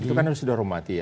itu kan harus dihormati ya